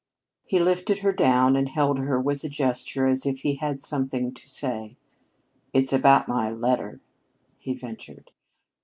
He lifted her down and held her with a gesture as if he had something to say. "It's about my letter," he ventured.